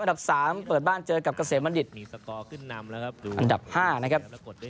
อันดับสามเปิดบ้านเจอกับเกษมณฑิตอันดับห้านะครับ